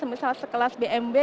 misal sekelas bmw